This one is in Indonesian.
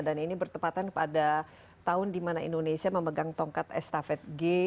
dan ini bertepatan pada tahun di mana indonesia memegang tongkat estafet g